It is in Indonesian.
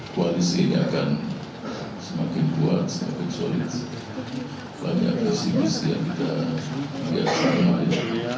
kualisinya akan semakin kuat semakin solid banyak visi visi yang kita lihat sama ya